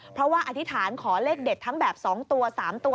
เพราะว่าอธิษฐานขอเลขเด็ดทั้งแบบ๒ตัว๓ตัว